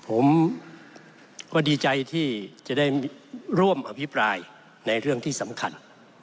ผมก็ดีใจที่จะได้ร่วมอภิปรายในเรื่องที่สำคัญ